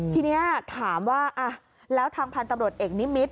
ทีนี้ถามว่าแล้วทางพันธุ์ตำรวจเอกนิมิตร